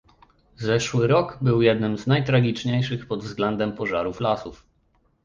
Zeszły rok był jednym z najtragiczniejszych pod względem pożarów lasów